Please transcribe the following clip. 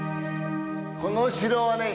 この城はね